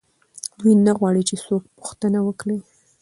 دوی نه غواړي چې څوک پوښتنه وکړي.